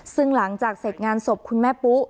ซึ่งหลังจากเสร็จงานศพคุณแม่ปุ๊